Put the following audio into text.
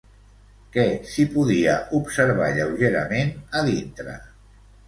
Què s'hi podia observar lleugerament a dintre?